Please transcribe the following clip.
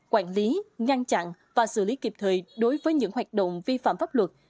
quản lý ngăn chặn và xử lý kịp thời đối với những hoạt động vi phạm pháp luật